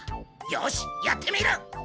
よしやってみる！